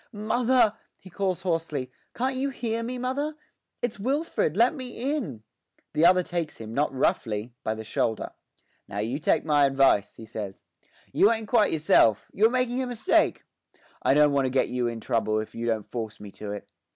'Mother!' he calls hoarsely. 'Can't you hear me, mother? It's Wilfred; let me in!' The other takes him, not roughly, by the shoulder. 'Now you take my advice,' he says. 'You ain't quite yourself; you're making a mistake. I don't want to get you in trouble if you don't force me to it.